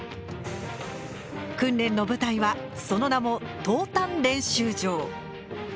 訓練の舞台はその名も投炭練習場。